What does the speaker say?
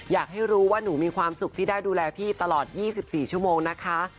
อยากให้รู้ว่าหนูมีความสุขที่ได้ดูแลพี่ตลอด๒๔ชั่วโมงนะคะ